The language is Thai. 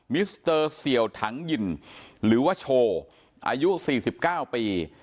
มิสเตอร์เสี่ยวถังยินหรือว่าโชว์อายุสี่สิบเก้าปี